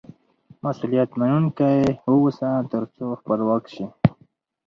مسئولیت منونکی واوسه، تر څو خپلواک سې.